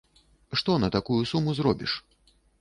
Што на такую суму зробіш?